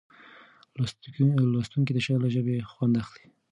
لوستونکی د شعر له ژبې خوند اخلي.